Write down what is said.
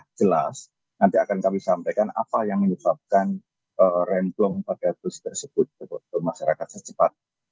yang jelas nanti akan kami sampaikan apa yang menyebabkan remblong pada bus tersebut ke masyarakat secepat